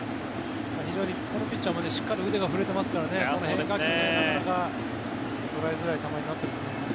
非常にこのピッチャーもしっかり腕が振れていますから変化球、なかなか捉えづらい球になっていると思います。